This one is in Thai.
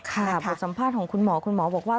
บทสัมภาษณ์ของคุณหมอคุณหมอบอกว่า